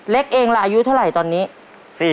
เล็กเองล่ะอายุเท่าไหร่ตอนนี้